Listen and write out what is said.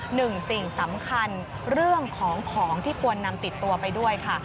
หนึ่งสิ่งสำคัญเรื่องของของที่ควรนำติดตัวไปด้วยค่ะ